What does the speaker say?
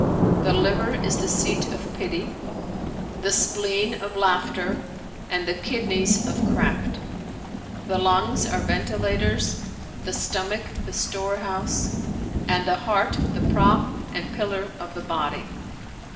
The liver is the seat of pity, the spleen of laughter[FN#399] and the kidneys of craft; the lungs are ventilators, the stomach the store house, and the heart the prop and pillar of the body.